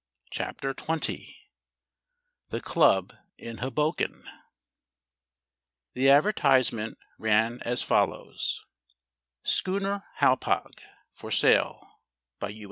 THE CLUB IN HOBOKEN The advertisement ran as follows: Schooner Hauppauge FOR SALE By U.